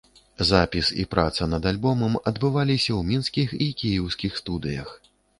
Запіс і праца над альбомам адбываліся ў мінскіх і кіеўскіх студыях.